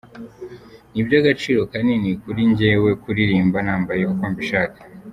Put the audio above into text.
Ni iby’agaciro kanini kuri njyewe kuririmba nambaye uko mbishaka.